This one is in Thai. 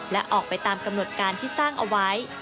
และออกไปตามกำหนดการที่สร้างเอาไว้